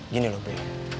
gini loh be